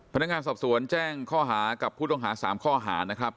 พนักงานสอบสวนแจ้งข้อหากับผู้ต้องหา๓ข้อหานะครับ